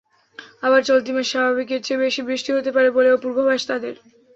আবার চলতি মাসে স্বাভাবিকের চেয়ে বেশি বৃষ্টি হতে পারে বলেও পূর্বাভাস তাদের।